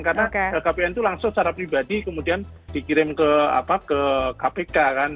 karena rrkpn itu langsung secara pribadi kemudian dikirim ke kpk